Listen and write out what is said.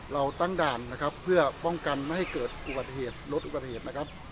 เราตั้งด่านนะครับเพื่อป้องกันไม่ให้เกิดอุบัติเหตุลดอุบัติเหตุนะครับ